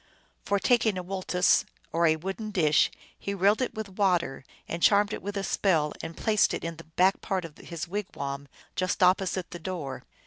For taking a woltes, or a wooden dish, he rilled it with water, and charmed it with a spell, and placed it in the back part of his wigwam, just opposite the door.